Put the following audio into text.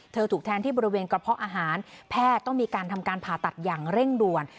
ถูกแทงที่บริเวณกระเพาะอาหารแพทย์ต้องมีการทำการผ่าตัดอย่างเร่งด่วน